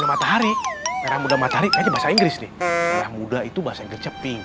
matahari matahari bahasa inggris muda itu bahasa inggris